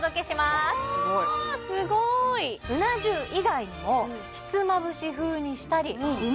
すごーいすごいうな重以外にもひつまぶし風にしたりう